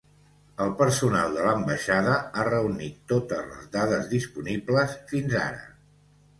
El personal de l'ambaixada ha reunit totes les dades disponibles fins ara.